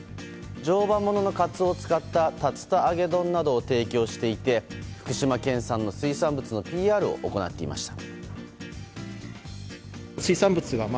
常磐もののカツオを使った竜田揚げ丼などを提供していて福島県産の水産物のＰＲを行っていました。